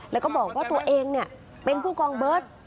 แล้วก็บอกว่าตัวเองเป็นผู้กองเบิร์ต